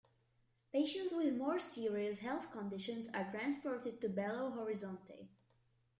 Patients with more serious health conditions are transported to Belo Horizonte.